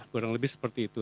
kurang lebih seperti itu